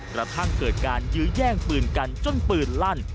กระทั่งเกิดการยื้อแย่งปืนกันจนปืนลั่น